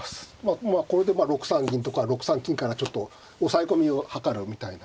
まあこれで６三銀とか６三金からちょっと押さえ込みをはかるみたいな。